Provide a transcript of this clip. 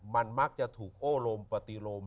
มันมักจะถูกโอ้รมปฏิโลม